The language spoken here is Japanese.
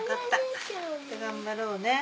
また頑張ろうね。